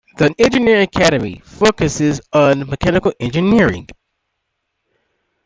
The Engineering Academy focuses on mechanical engineering.